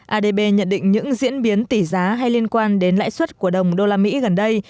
adb nhận định những diễn biến tỷ giá hay liên quan đến lãi suất của đồng đô la mỹ gần đây